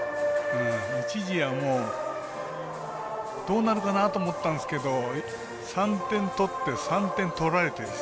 一時は、どうなるかなと思ったんですけど３点取って、３点取られて。